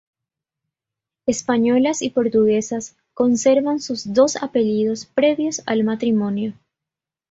Españolas y Portuguesas conservan sus dos apellidos previos al matrimonio.